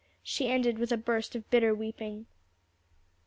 she ended with a burst of bitter weeping.